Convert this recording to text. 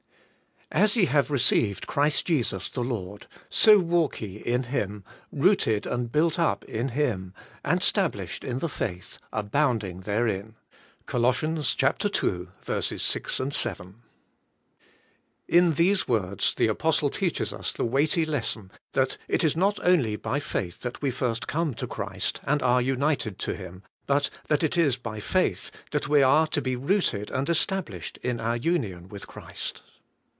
*As ye have received Christ Jesus the Lord, so walk ye IN Him : rooted and built up in Him, and stablished in the faith, abounding therein. '— Col. ii. 6, 7. IN these words the apostle teaches us the weighty lesson, that it is not only by faith that we first come to Christ and are united to Him, but that it is by faith that we are to be rooted and established in our union with Christ.